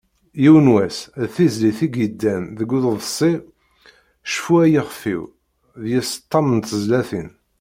"Yiwen wass", d tizlit i d-yeddan deg uḍebsi "Cfu ay ixef-iw", deg-s ṭam n tezlatin.